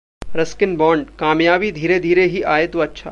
Ruskin Bond- कामयाबी धीरे-धीरे ही आए तो अच्छा